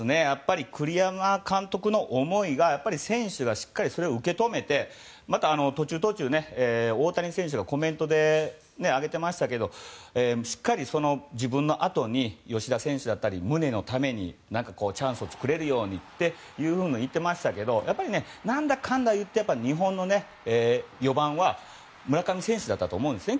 栗山監督の思いが選手がしっかりそれを受け止めてまた途中途中で大谷選手がコメントで挙げてましたけどしっかり、自分のあとに吉田選手だったりムネのためにチャンスを作れるようにって言ってましたがやっぱり何だかんだ言って日本の４番は村上選手だったと思うんですね。